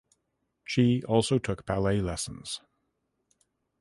She also took ballet lessons.